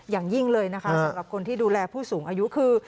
อย่างยิ่งเลยนะคะสำหรับคนที่ดูแลผู้สูงอายุคือ